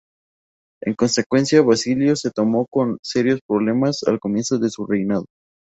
En consecuencia, Basilio se encontró con serios problemas al comienzo de su reinado.